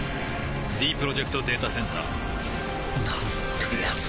ディープロジェクト・データセンターなんてやつなんだ